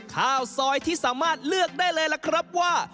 ข้าวซอยที่สามารถเลือกได้เลยล่ะครับว่า